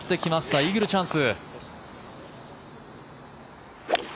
イーグルチャンス。